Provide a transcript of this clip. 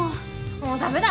もうダメだ。